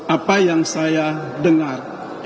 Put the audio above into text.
apa yang saya dengar